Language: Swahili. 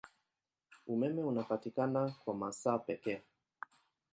Umeme unapatikana kwa masaa pekee.